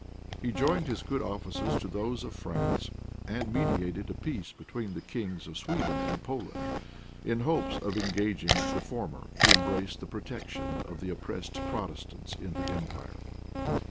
He joined his good offices to those of France, and mediated a peace between the kings of Sweden and Poland, in hopes of engaging the former to embrace the protection of the oppressed Protestants in the empire.